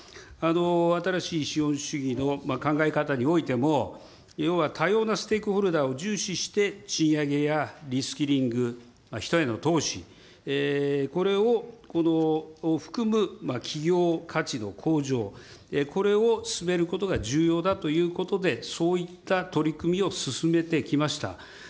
新しい資本主義の考え方においても、要は多様なステークホルダーを重視して、賃上げやリスキリング、人への投資、これを含む企業価値の向上、これを進めることが重要だということで、そういった取り組みを進めてきました。